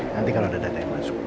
nanti kalau ada data yang masuk